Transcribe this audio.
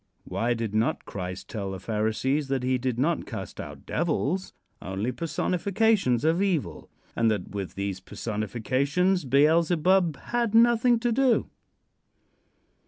Why did not Christ tell the Pharisees that he did not cast out devils only personifications of evil; and that with these personifications Beelzebub had nothing to do?